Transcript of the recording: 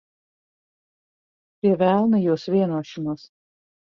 Pie velna jūsu vienošanos.